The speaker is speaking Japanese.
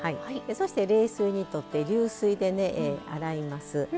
そして、冷水にとって流水で洗います。